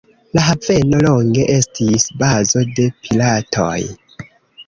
La haveno longe estis bazo de piratoj.